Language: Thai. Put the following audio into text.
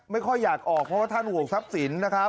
ไม่ค่อยอยากออกเพราะว่าท่านห่วงทรัพย์สินนะครับ